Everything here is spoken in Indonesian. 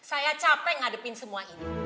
saya capek ngadepin semua ini